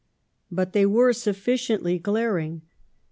But they were sufficiently glaring.